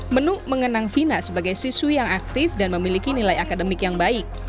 menu mengenang vina sebagai siswi yang aktif dan memiliki nilai akademik yang baik